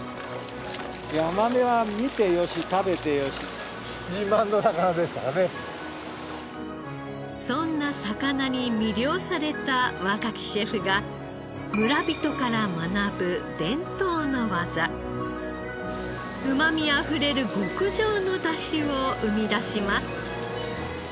ヤマメはそんな魚に魅了された若きシェフが村人から学ぶうまみあふれる極上の出汁を生み出します。